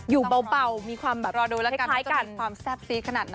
อยู่เบามีความแบบเห็ทกันเตรียมความทรบซีดขนาดไหน